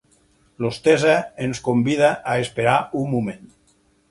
L'hostessa ens convida a esperar un moment.